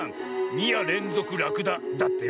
「にやれんぞくラクダ」だってよ。